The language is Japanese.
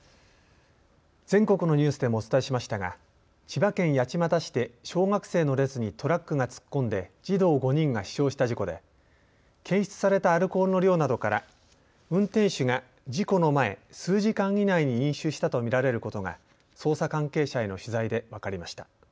全国のニュースでもお伝えしましたが千葉県八街市で小学生の列にトラックが突っ込んで児童５人が死傷した事故で検出されたアルコールの量などから運転手が事故の前、数時間以内に飲酒したと見られることが捜査関係者への取材で分かりました。